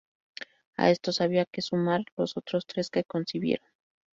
A estos había que sumar los otros tres que concibieron.